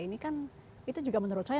ini kan itu juga menurut saya